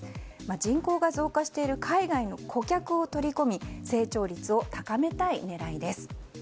人口が増加している海外の顧客を取り込み成長率を高めたい狙いです。